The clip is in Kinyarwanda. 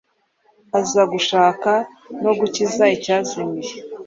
aza gushaka no gukiza icyazimiye.